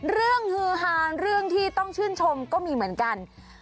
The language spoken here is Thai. ฮือหาเรื่องที่ต้องชื่นชมก็มีเหมือนกัน